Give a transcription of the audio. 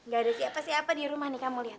gak ada siapa siapa di rumah nih kamu lihat